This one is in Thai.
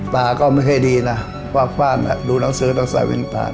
ภาคก็ไม่ให้ดีน่ะฟากฟกฟ่าดูหนังสือเสาวินทาน